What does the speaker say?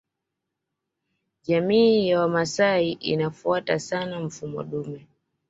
Jamii ya Wamasai inafuata sana mfumoo dume